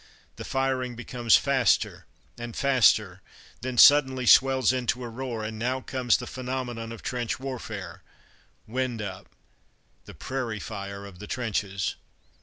The firing becomes faster and faster; then suddenly swells into a roar and now comes the phenomenon of trench warfare: "wind up" the prairie fire of the trenches.